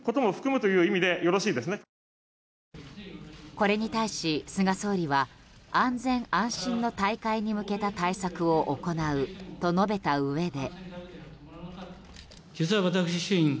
これに対し、菅総理は安全・安心の大会に向けた対策を行うと述べたうえで。